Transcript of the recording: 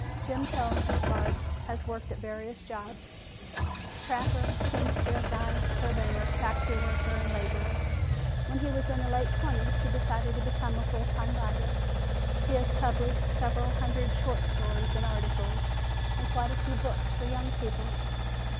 Jim Kjelgaard has worked at various jobs trapper, teamster, guide, surveyor, factory worker and laborer. When he was in the late twenties he decided to become a full time writer. He has published several hundred short stories and articles and quite a few books for young people.